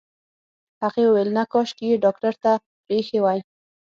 هغې وويل نه کاشکې يې ډاکټر ته پرېښې وای.